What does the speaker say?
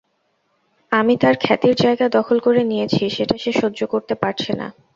আমি তার খ্যাতির জায়গা দখল করে নিয়েছি সেটা সে সহ্য করতে পারছে না।